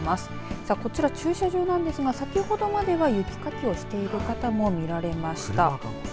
さあ、こちら駐車場なんですが先ほどまでは、雪かきをしてる方も見られました。